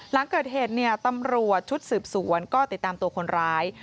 หลังเกิดเหตุเนี่ยตำรวจชุดสืบสวนก็ติดตามตัวคนร้าย